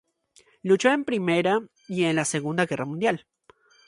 Luchó en la Primera y en la Segunda Guerra Mundial.